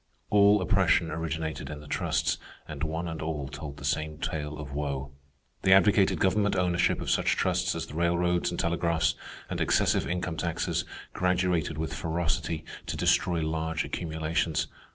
All oppression originated in the trusts, and one and all told the same tale of woe. They advocated government ownership of such trusts as the railroads and telegraphs, and excessive income taxes, graduated with ferocity, to destroy large accumulations.